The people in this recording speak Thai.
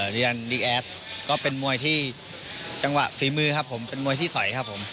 เรียนดีแอสก็เป็นมวยที่จังหวะฝีมือครับผมเป็นมวยที่สอยครับผม